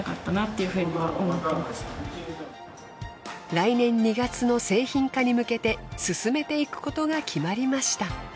来年２月の製品化に向けて進めていくことが決まりました。